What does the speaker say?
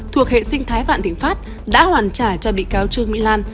thuộc hệ sinh thái vạn thịnh pháp đã hoàn trả cho bị cáo trương mỹ lan